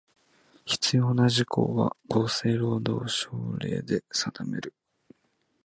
必要な事項は、厚生労働省令で定める。